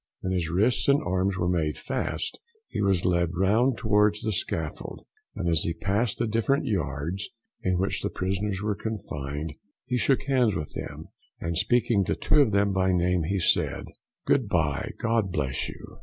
When his wrists and arms were made fast, he was led round twards the scaffold, and as he passed the different yards in which the prisoners were confined, he shook hands with them, and speaking to two of them by name, he said, "Good bye, God bless you."